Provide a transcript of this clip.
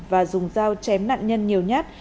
và dùng dao chém nạn nhân nhiều nhát